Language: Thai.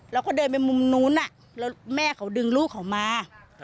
แล้วก็เดินไปมุมนู้นแล้วแม่เขาดึงลูกเขามา